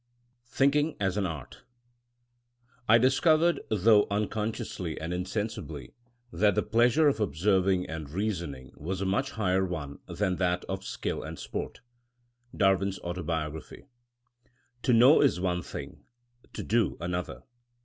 THINKING AS AN ART I discovered, though unconsciously and insensibly, that the pleasure of observing and reasoning was a much higher one than that of skill and sport. — ^Dar win 's Autobiography. TO know is one thing; to do another.